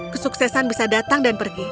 kesuksesan bisa datang dan pergi